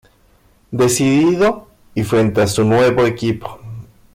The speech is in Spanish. Decidido, y frente a su nuevo equipo.